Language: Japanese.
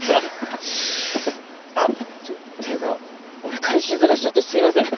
あっっていうか俺彼氏ヅラしちゃってすいません！